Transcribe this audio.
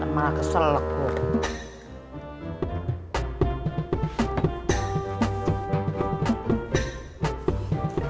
kan malah kesel kok